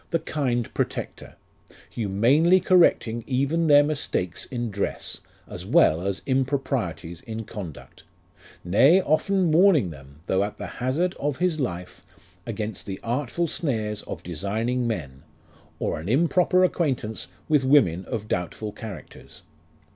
107 The kind protector : Humanely correcting even their mistakes in dress, As well as improprieties in conduct : Nay, often warning them, Though at the hazard of his life, Against the artful snares of designing men r Or an improper acquaintance with women of doubtful characters.